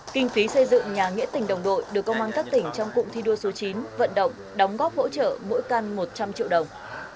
kinh phí xây dựng nhà nghĩa tình đồng đội được công an các tỉnh trong cụm thi đua số chín vận động đóng góp hỗ trợ mỗi căn một trăm linh triệu đồng